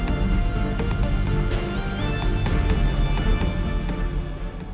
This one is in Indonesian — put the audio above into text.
jika suatu kebudayaan punah maka kemudian mendata melihat status masing masing bahasa daerah masing masing